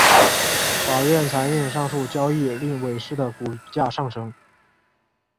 法院裁定上述交易令伟仕的股价上升。